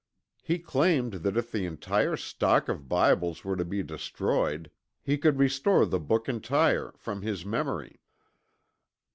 He claimed that if the entire stock of Bibles were to be destroyed, he could restore the book entire, from his memory.